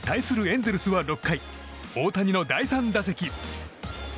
エンゼルスは、６回大谷の第３打席。